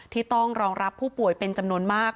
ที่ต้องรองรับผู้ป่วยเป็นจำนวนมาก